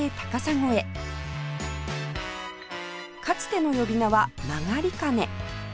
かつての呼び名は「曲金」